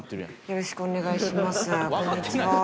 よろしくお願いします。